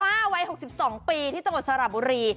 ป้าไว้๖๒ปีที่ตะวันสระบุรี